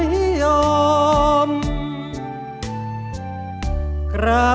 เพลงพร้อมร้องได้ให้ล้าน